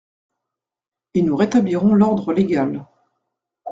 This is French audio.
Et nous rétablirons l’ordre légal.